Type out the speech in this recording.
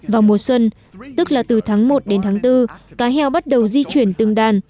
vào mùa xuân tức là từ tháng một đến tháng bốn cá heo bắt đầu di chuyển từng đàn